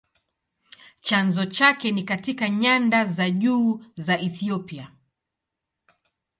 Chanzo chake ni katika nyanda za juu za Ethiopia.